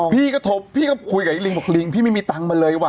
พี่ก็ทบพี่ก็คุยกับลิงบอกลิงพี่ไม่มีตังค์มาเลยว่